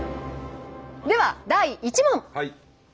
では第１問。